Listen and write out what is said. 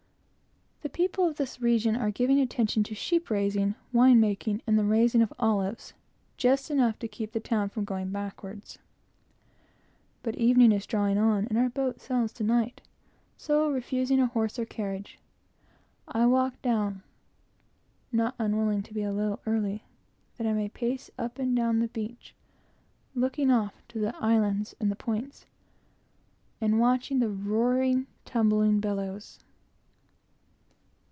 The people of this region are giving attention to sheep raising, wine making, and the raising of olives, just enough to keep the town from going backwards. But evening is drawing on, and our boat sails to night. So, refusing a horse or carriage, I walk down, not unwilling to be a little early, that I may pace up and down the beach, looking off to the islands and the points, and watching the roaring, tumbling billows.